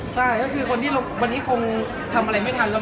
ใช่ก็คือคนที่วันนี้คงทำอะไรไม่ทันแล้ว